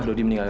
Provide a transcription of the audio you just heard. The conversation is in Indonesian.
ya ampun arif